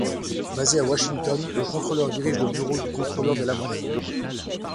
Basé à Washington, le contrôleur dirige le Bureau du contrôleur de la monnaie.